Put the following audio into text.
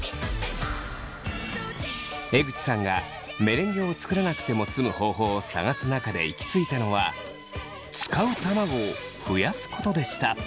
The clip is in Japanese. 江口さんがメレンゲを作らなくても済む方法を探す中で行き着いたのは使う卵を増やすことでした。